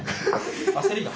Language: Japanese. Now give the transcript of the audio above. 焦りが。